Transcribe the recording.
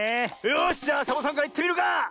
よしじゃあサボさんからいってみるか！